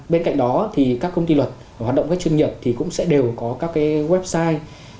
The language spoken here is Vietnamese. bên cạnh đó các công ty luật hoạt động các chuyên nghiệp cũng sẽ đều có các website